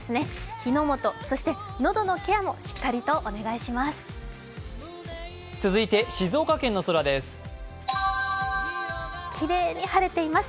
火の元、そしてのどのケアもしっかりとお願いします。